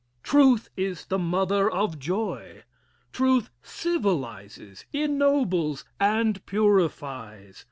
Truth is the mother of joy. Truth civilizes, ennobles, and purifies.